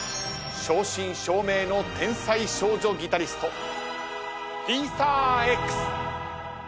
正真正銘の天才少女ギタリストＬｉ−ｓａ−Ｘ。